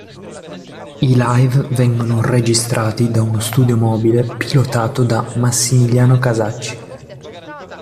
I live vengono registrati da uno studio mobile "pilotato" da Massimiliano Casacci.